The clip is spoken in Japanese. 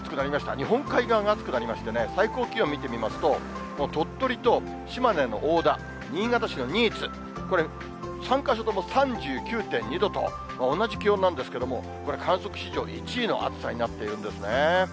日本海側が暑くなりましてね、最高気温見てみますと、鳥取と島根の大田、新潟市の新津、これ、３か所とも３９．２度と、同じ気温なんですけども、これ、観測史上１位の暑さになっているんですね。